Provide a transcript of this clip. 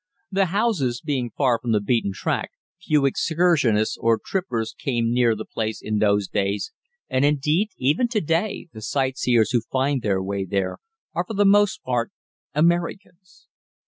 The house being far from the beaten track, few excursionists or trippers came near the place in those days, and, indeed, even to day the sightseers who find their way there are for the most part Americans.